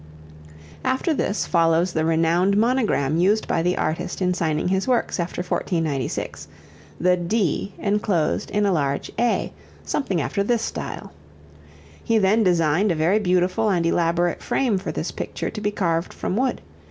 After this follows the renowned monogram used by the artist in signing his works after 1496, the "D" enclosed in a large "A" something after this style. He then designed a very beautiful and elaborate frame for this picture to be carved from wood.